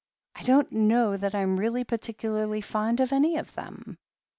I don't know that I'm really particularly fond of any of them.